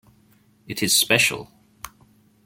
It is special.